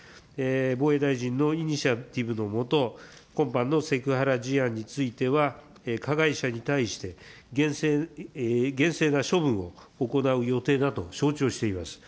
防衛大臣のイニシアティブの下、今般のセクハラ事案については、加害者に対して、厳正な処分を行う予定だと承知をしています。